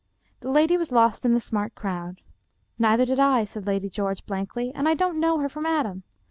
The lady was lost in the smart crowd. "Neither did I," said Lady George blankly, " and I don't know her from Adam.